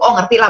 oh ngerti lah